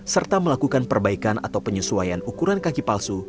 serta melakukan perbaikan atau penyesuaian ukuran kaki palsu